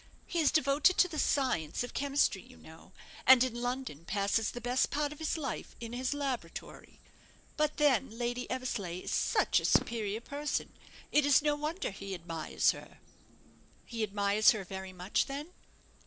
He is devoted to the science of chemistry, you know, and in London passes the best part of his life in his laboratory. But then Lady Eversleigh is such a superior person it is no wonder he admires her." "He admires her very much, then?"